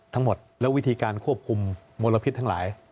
ทั้งหมดและวิธีการควบคุมมลพิษทั้งหลาย